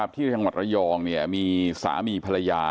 ที่จังหวัดระยองมีสามีภรรยา